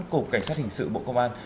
cục cảnh sát hình sự bộ công an